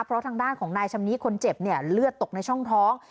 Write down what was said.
เพราะทางด้านของนายชำนิคนเจ็บเนี่ยเลือดตกในช่องท้อง